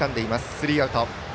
スリーアウト。